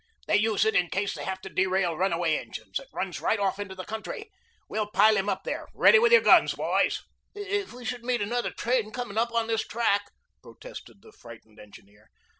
"They use it in case they have to derail runaway engines. It runs right off into the country. We'll pile him up there. Ready with your guns, boys." "If we should meet another train coming up on this track " protested the frightened engineer.